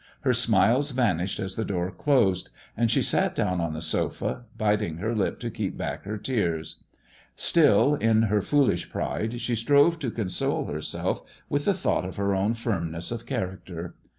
Her smiles vanished as the door closed, and she sat down on the sofa, biting her lip to keep back her tears. Still, in her foolish pride she strove to console herself with the thought of her own firmness of character.